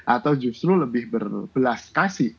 atau justru lebih berbelas kasih